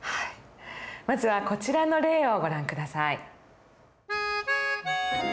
まずはこちらの例をご覧下さい。